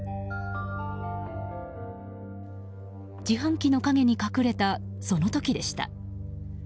自販機の影に隠れたその時でした。